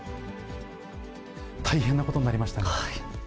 大変なことになりましたね。